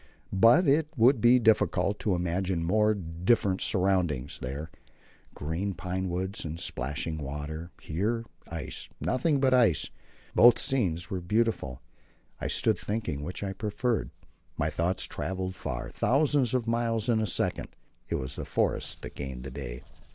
But it would be difficult to imagine more different surroundings: there, green pinewoods and splashing water; here, ice, nothing but ice. But both scenes were beautiful; I stood thinking which I preferred. My thoughts travelled far thousands of miles in a second. It was the forest that gained the day.